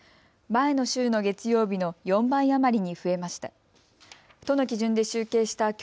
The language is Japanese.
前の週の月曜日の４倍余りに増えました。